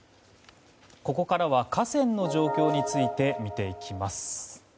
ここからは河川の状況について見ていきます。